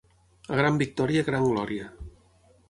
A gran victòria, gran glòria.